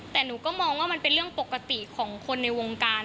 แต่หนูก็มองว่ามันเป็นเรื่องปกติของคนในวงการ